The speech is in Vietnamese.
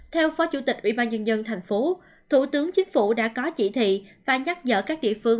theo phó chủ tịch ubnd thành phố thủ tướng chính phủ đã có chỉ thị và nhắc dở các địa phương